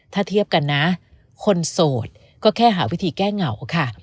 ถ้าเทียบกันนะคนโสดก็แค่หาวิธีแก้เหงาค่ะ